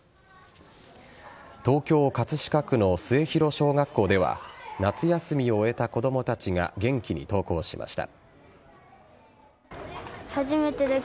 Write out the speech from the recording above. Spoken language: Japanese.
東京・葛飾区の末広小学校では夏休みを終えた子供たちが元気に登校しました。